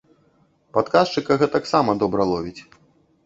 Падказчыка гэтаксама добра ловіць.